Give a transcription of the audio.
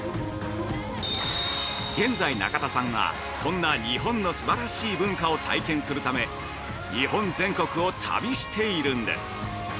現在中田さんは、そんな日本のすばらしい文化を体験するため日本全国を旅しているんです。